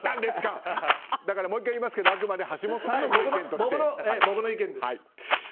だからもう１回言いますけどあくまでも橋下さんの意見です。